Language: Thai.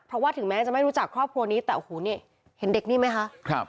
เพราะถึงแม้จะไม่รู้จักครอบครัวนี้แต่เห็นเด็กนี้ไหมคะ